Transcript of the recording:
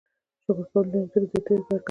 شکر کول نعمتونه زیاتوي او برکت اچوي.